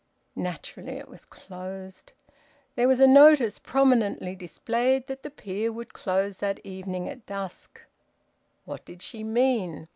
Naturally it was closed! There was a notice prominently displayed that the pier would close that evening at dusk. What did she mean?